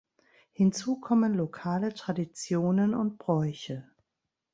Hinzu kommen lokale Traditionen und Bräuche.